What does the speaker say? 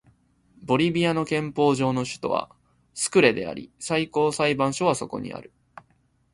ボリビアの憲法上の首都はスクレであり最高裁判所はそこにある